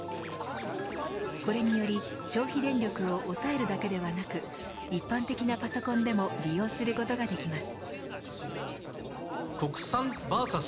これにより消費電力を抑えるだけではなく一般的なパソコンでも利用することができます。